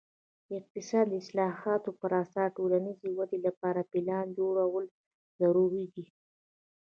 د اقتصاد د اصلاحاتو پر اساس د ټولنیزې ودې لپاره پلان جوړول ضروري دي.